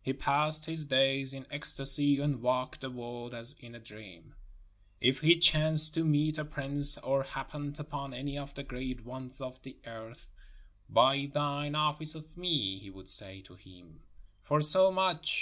He passed his days in ecstasy and walked the world as in a dream. If he chanced to meet a prince or happened upon any of the great ones of the earth, "Buy thine office of me," he would say to him, "for so much!"